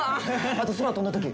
あと空飛んだとき！